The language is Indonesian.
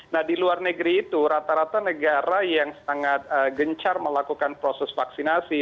nah di luar negeri itu rata rata negara yang sangat gencar melakukan proses vaksinasi